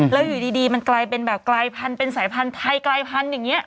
แล้วอยู่ดีมันกลายเป็นแบบกลายพันธุ์เป็นสายพันธุ์ไทยกลายพันธุ์อย่างนี้